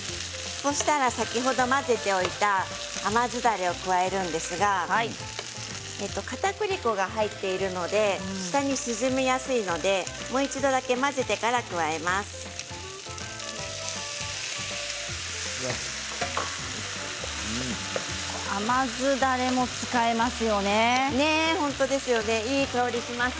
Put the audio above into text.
そうしたら先ほど混ぜておいた甘酢だれを加えるんですがかたくり粉が入っているので下に沈みやすいのでもう一度だけ混ぜてから加えます。